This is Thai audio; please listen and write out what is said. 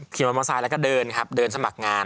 ขึ้นมาเมื่อสายแล้วก็เดินครับเดินสมัครงาน